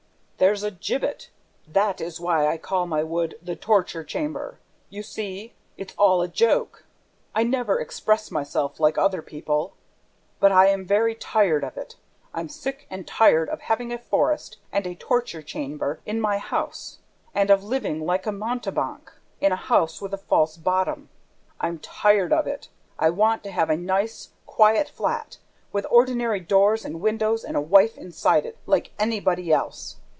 "THERE'S A GIBBET! That is why I call my wood the torture chamber! ... You see, it's all a joke. I never express myself like other people. But I am very tired of it! ... I'm sick and tired of having a forest and a torture chamber in my house and of living like a mountebank, in a house with a false bottom! ... I'm tired of it! I want to have a nice, quiet flat, with ordinary doors and windows and a wife inside it, like anybody else!